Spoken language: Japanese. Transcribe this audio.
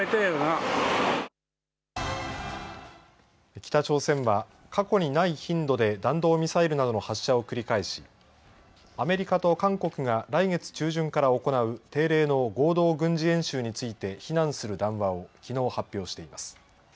北朝鮮は過去にない頻度で弾道ミサイルなどの発射を繰り返しアメリカと韓国が来月中旬から行う定例の合同軍事演習について非難する談話をきのう発表しています。